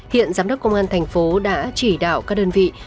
hiện giám đốc công an thành phố đã chỉ đạo các đơn vị